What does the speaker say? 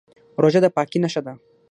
روژه د پاکۍ نښه ده.